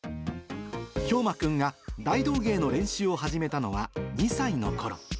兵真君が大道芸の練習を始めたのは２歳のころ。